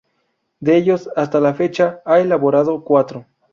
De ellos, hasta la fecha, ha elaborado cuatro.